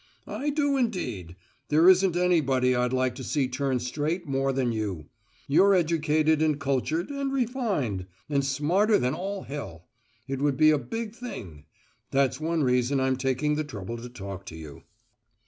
"I do indeed. There isn't anybody I'd like to see turn straight more than you. You're educated and cultured, and refined, and smarter than all hell. It would be a big thing. That's one reason I'm taking the trouble to talk to you."